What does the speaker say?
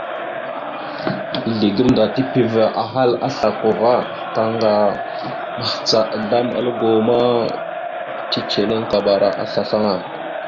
Izle gamnda tipiva ahal a slako ava, taŋga mahəca azlam algo ma, teceliŋ akabara aslasl aŋa.